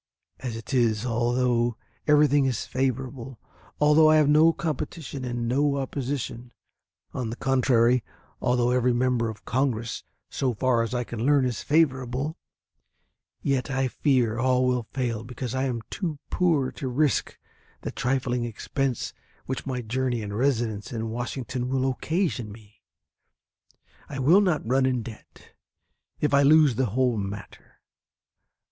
As it is, although everything is favorable, although I have no competition and no opposition on the contrary, although every member of Congress, so far as I can learn, is favorable yet I fear all will fail because I am too poor to risk the trifling expense which my journey and residence in Washington will occasion me. I will not run in debt, if I lose the whole matter.